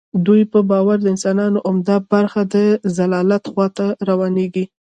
دوی په باور د انسانانو عمده برخه د ضلالت خوا ته روانیږي.